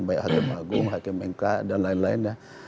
baik hakim agung hakim engkai dan lain lain